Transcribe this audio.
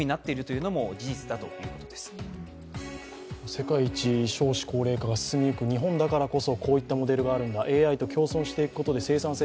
世界一少子高齢化が進みゆく日本だからこそ、こういったモデルがあるんだ、ＡＩと共存していくことで生産性